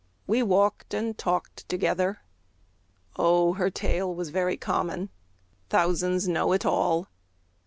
We walked and talked together. O her tale Was very common; thousands know it all!